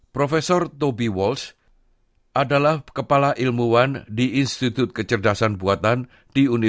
profesor toby walsh adalah kepala ilmuwan di institut kecerdasan